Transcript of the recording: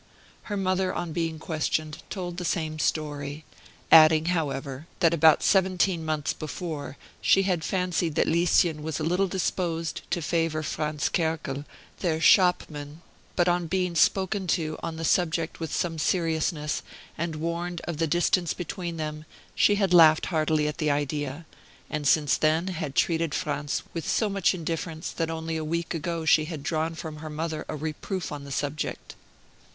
Her mother, on being questioned, told the same story adding, however, that about seventeen months before, she had fancied that Lieschen was a little disposed to favor Franz Kerkel, their shopman; but on being spoken to on the subject with some seriousness, and warned of the distance between them, she had laughed heartily at the idea, and since then had treated Franz with so much indifference that only a week ago she had drawn from her mother a reproof on the subject.